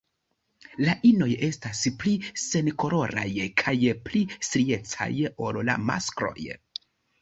La inoj estas pli senkoloraj kaj pli striecaj ol la maskloj.